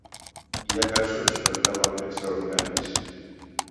Hi ha casos veritablement extraordinaris.